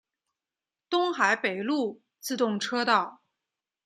东海北陆自动车道。